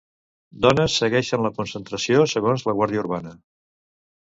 Dones segueixen la concentració segons la Guàrdia Urbana.